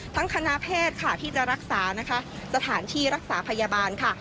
ทั้งคณะแพทย์ที่จะรักษาสถานที่รักษาพยาบาล